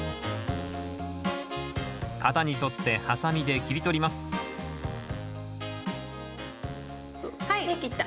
型に沿ってハサミで切り取ります出来た。